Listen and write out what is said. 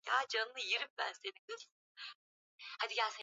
Majimaji machozi kutoka kwenye macho